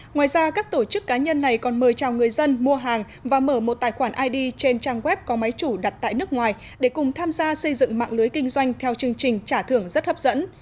ngoài ra các tổ chức cá nhân này còn mời chào người dân mua hàng và mở một tài khoản id trên trang web có máy chủ đặt tại nước ngoài để cùng tham gia xây dựng mạng lưới kinh doanh theo chương trình trả thưởng rất hấp dẫn